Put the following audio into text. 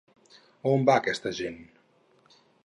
A on va aquesta gent?